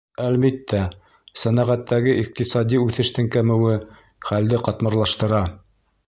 Әлбиттә, сәнәғәттәге иҡтисади үҫештең кәмеүе хәлде ҡатмарлаштыра.